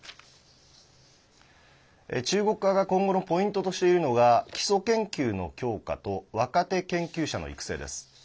中国側が今後のポイントとしているのが基礎研究の強化と若手研究者の育成です。